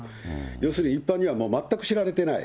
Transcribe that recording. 要するに一般には全く知られていない。